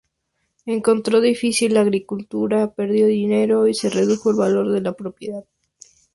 Encontró difícil la agricultura, perdió dinero, y se redujo el valor de la propiedad.